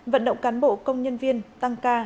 vận động cán bộ công nhân viên tăng ca